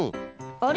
あれ？